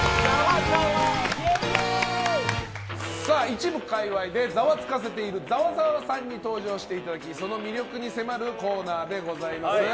一部界隈でざわつかせているざわざわさんに登場していただきその魅力に迫るコーナーです。